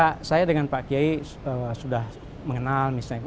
ya saya dengan pak kiai sudah mengenal misalnya